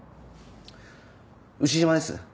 牛島です。